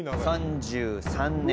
３３年？